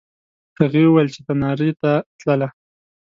هغې وویل چې تنارې ته تلله.